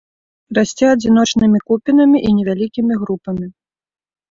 Расце адзіночнымі купінамі і невялікімі групамі.